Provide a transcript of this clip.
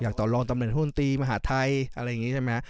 อยากต่อลองตำแหน่งธุรกิจมหาธัยอะไรอย่างนี้ใช่ไหม